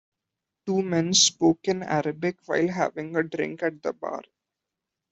Two men spoke in Arabic while having a drink at the bar.